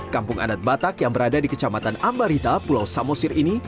kampung adat batak yang berada di kecamatan ambarita pulau samosir ini